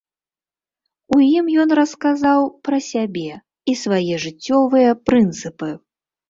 У ім ён расказаў пра сябе і свае жыццёвыя прынцыпы.